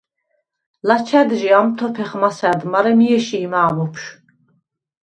ლაჩა̈დჟი ამთოფეხ მასა̈რდ, მარე მი ეში̄ მა̄მ ოფშუ̂.